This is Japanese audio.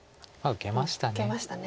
受けましたね。